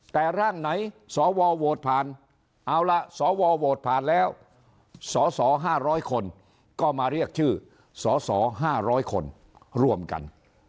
แต่ร่างไหนสวโหวตผ่านเอาล่ะสวโหวตผ่านแล้วสส๕๐๐คนก็มาเรียกชื่อสส๕๐๐คนร่วมกัน